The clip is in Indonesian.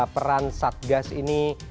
peran satdas ini